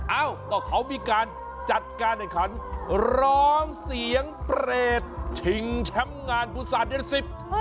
เอ้าก็เขามีการจัดการนะครับร้องเสียงเปรตถึงแชมป์งานบุษนาสิบ